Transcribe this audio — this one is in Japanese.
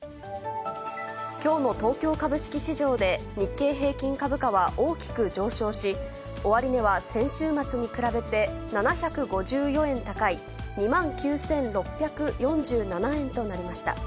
きょうの東京株式市場で、日経平均株価は大きく上昇し、終値は先週末に比べて、７５４円高い２万９６４７円となりました。